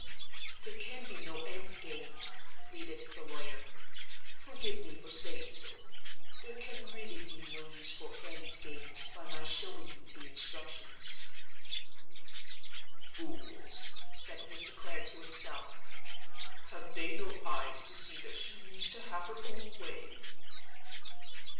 "There can be no end gained," pleaded the lawyer—"forgive me for saying so—there can really be no useful end gained by my showing you the instructions." ("Fools!" said Mr. Clare to himself. "Have they no eyes to see that she means to have her own way?")